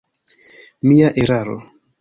Mia eraro.